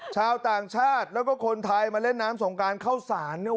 ชาวต่างชาติแล้วก็คนไทยมาเล่นน้ำสงการเข้าสารเนี่ย